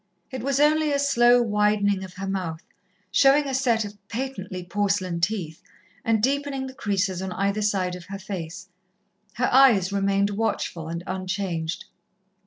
It was only a slow widening of her mouth, showing a set of patently porcelain teeth, and deepening the creases on either side of her face. Her eyes remained watchful and unchanged.